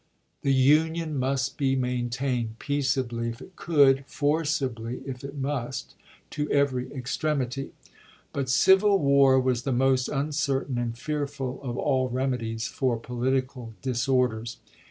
The Union must be maintained, peaceably ch. xxiii. if it could, forcibly if it must, to every extremity. But civil war was the most uncertain and fearful of all remedies for political disorders.